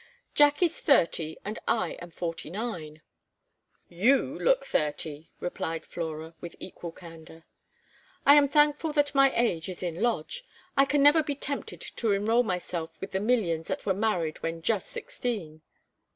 "Jack is thirty and I am forty nine." "You look thirty," replied Flora, with equal candor. "I am thankful that my age is in Lodge; I can never be tempted to enroll myself with the millions that were married when just sixteen."